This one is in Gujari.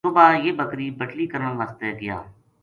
صبح یہ بکری بٹلی کرن واسطے گیا